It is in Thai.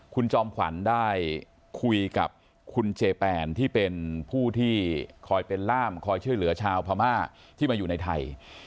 คุณจอมขวัญได้คุยกับคุณเจแปนที่เป็นผู้ที่คอยเป็นล่ามคอยช่วยเหลือชาวพม่าที่มาอยู่ในไทย